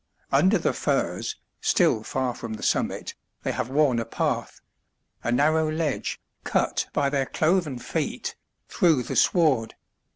Under the furze (still far from the summit) they have worn a path a narrow ledge, cut by their cloven feet through the sward.